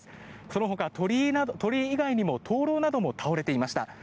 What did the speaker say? そのほか、鳥居以外にも灯ろうなども倒れていました。